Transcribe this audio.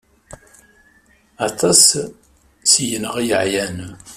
Aṭas seg-neɣ ay yeɛyan.